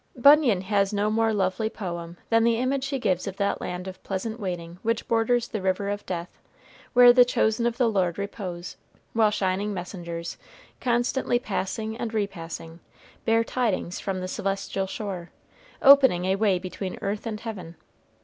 Bunyan has no more lovely poem than the image he gives of that land of pleasant waiting which borders the river of death, where the chosen of the Lord repose, while shining messengers, constantly passing and repassing, bear tidings from the celestial shore, opening a way between earth and heaven.